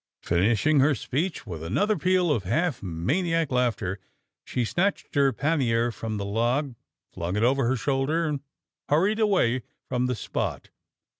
Finishing her speech with another peal of half maniac laughter, she snatched her pannier from the log, flung it over her shoulder, and hurried away from the spot!